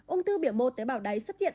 ung thư biểu mô tế bào đáy xuất hiện